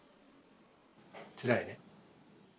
つらいね。